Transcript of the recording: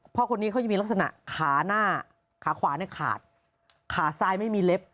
พ่อคนนี้เขาจะมีลักษณะขาหน้าขาขวาเนี่ยขาดขาซ้ายไม่มีเล็บ